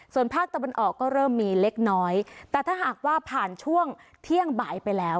ส่วนภาคตะวันออกก็เริ่มมีเล็กน้อยแต่ถ้าหากว่าผ่านช่วงเที่ยงบ่ายไปแล้ว